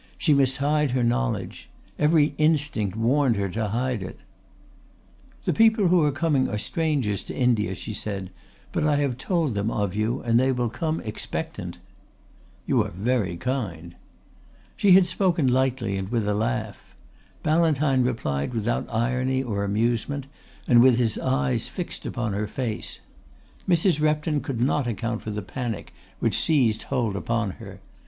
She must hide her knowledge. Every instinct warned her to hide it. "The people who are coming are strangers to India," she said, "but I have told them of you and they will come expectant." "You are very kind." She had spoken lightly and with a laugh. Ballantyne replied without irony or amusement and with his eyes fixed upon her face. Mrs. Repton could not account for the panic which seized hold upon her.